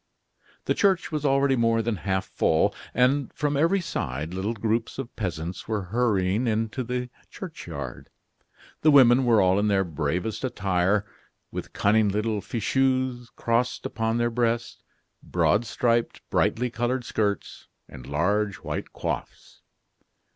The church was already more than half full, and from every side little groups of peasants were hurrying into the church yard. The women were all in their bravest attire, with cunning little fichus crossed upon their breasts, broad striped, brightly colored skirts, and large white coifs.